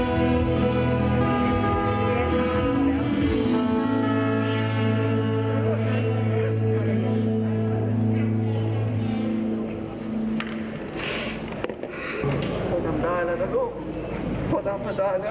ดีพ่อหนูทำได้ละนะรูป่าตามเราได้ละ